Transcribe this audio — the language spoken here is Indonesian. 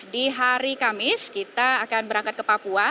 di hari kamis kita akan berangkat ke papua